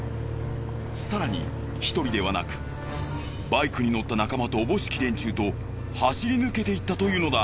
更に１人ではなくバイクに乗った仲間とおぼしき連中と走り抜けていったというのだ。